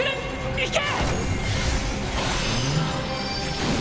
行け！